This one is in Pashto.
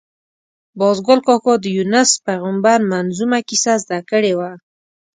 باز ګل کاکا د یونس پېغمبر منظمومه کیسه زده کړې وه.